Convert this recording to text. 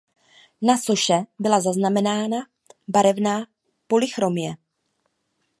Na soše byla zaznamenána barevná polychromie.